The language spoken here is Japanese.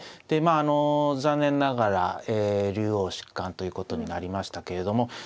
でまあ残念ながら竜王失冠ということになりましたけれども。